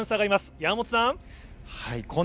山本さん。